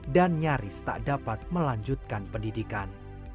dan nyaris tak dapat melanjutkan pendidikan